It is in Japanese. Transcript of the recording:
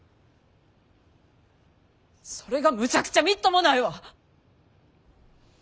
それがむちゃくちゃみっともないわ！